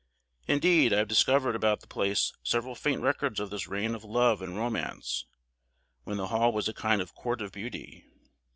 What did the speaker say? Indeed I have discovered about the place several faint records of this reign of love and romance, when the Hall was a kind of Court of Beauty.